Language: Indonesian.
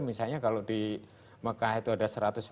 misalnya kalau di jepang jepang itu ada jalan